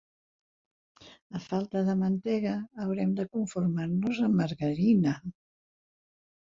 A falta de mantega, haurem de conformar-nos amb margarina.